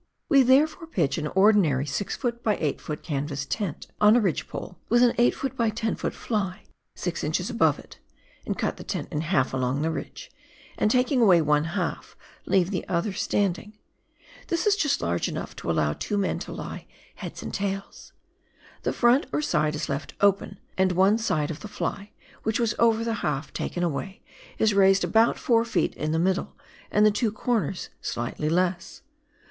We there fore pitch an ordinary 6 ft. by 8 ft. canvas tent, on a ridge pole, with an 8 ft. by 10 ft. fly six inches above it ; and cut the tent in half along the ridge, and taking away one half, leave the other standing. This is just large enough to allow two men to lie " heads and tails." The front, or side> is left open, and one side of the fly, which was over the half taken away, is raised about 4 ft. in the middle, and the two corners slightly less.